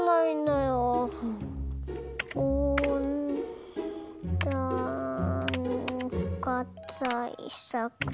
おんだんかたいさく。